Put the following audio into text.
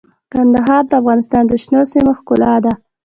کندهار د افغانستان د شنو سیمو ښکلا ده.